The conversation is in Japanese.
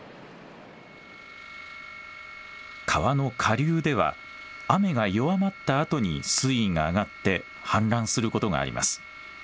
川の下流では雨が弱まったあとに水位が上がって氾濫することがあります。